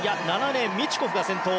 ７レーン、ミチュコフが先頭。